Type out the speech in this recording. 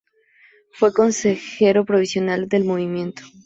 Fue consejero provincial del Movimiento.